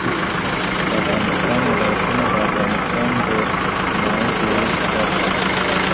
د افغانستان ولايتونه د افغانستان د اجتماعي جوړښت برخه ده.